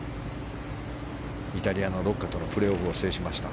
イタリアのロッカとのプレーオフを制しました。